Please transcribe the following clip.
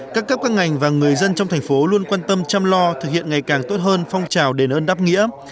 các cấp các ngành và người dân trong thành phố luôn quan tâm chăm lo thực hiện ngày càng tốt hơn phong trào đền ơn đáp nghĩa